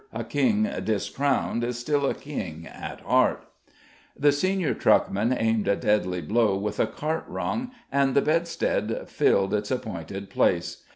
A king discrowned is still a king at heart." The senior truckman aimed a deadly blow with a cart rung, and the bedstead filled its appointed place.